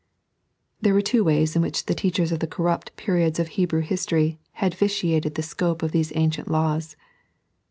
There were two ways in which the teachers of the corrupt periods of Hebrew history had vitiated the scope of these ancient laws.